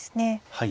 はい。